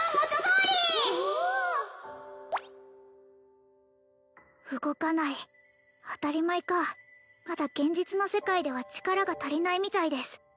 おお！動かない当たり前かまだ現実の世界では力が足りないみたいです